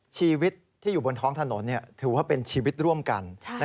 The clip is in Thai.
ชีวิตที่อยู่บนท้องถนนถือว่าเป็นชีวิตร่วมกัน